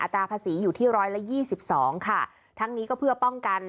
ตราภาษีอยู่ที่ร้อยละยี่สิบสองค่ะทั้งนี้ก็เพื่อป้องกัน